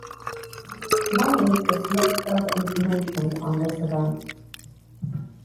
Weni gives no further information on this event.